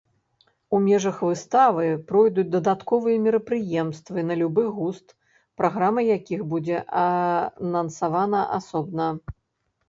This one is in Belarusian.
У межах выставы пройдуць дадатковыя мерапрыемствы на любы густ, праграма якіх будзе анансавана асобна.